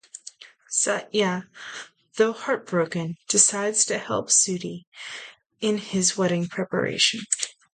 Satya though heartbroken decides to help Sudhi in his wedding preparation.